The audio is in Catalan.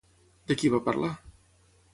De qui va parlar?